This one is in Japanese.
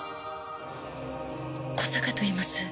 小坂といいます。